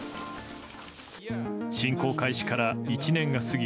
侵攻開始から１年が過ぎ